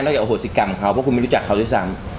เนอะไปเอาโหดสิกรรมเพราะไม่รู้จักเขาด้วยซ้ำ